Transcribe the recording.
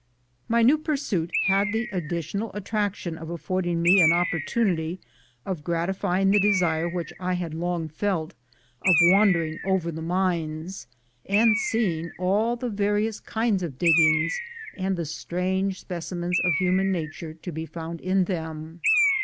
My new pursuit had the additional attraction of affording me an opportunity of gratifying the desire which I had long felt of wandering over the mines, IGO GOLD IS WHERE YOU FIND IT 161 and seeing all the various kinds of diggings, and the strange specimens of human nature to be found in them.